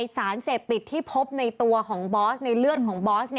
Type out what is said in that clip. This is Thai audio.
สารเสพติดที่พบในตัวของบอสในเลือดของบอส